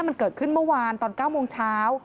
มันเกิดขึ้นเมื่อวานตอน๙โมงเช้า